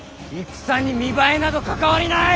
戦に見栄えなど関わりない！